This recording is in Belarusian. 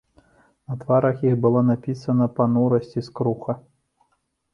На тварах іх была напісана панурасць і скруха.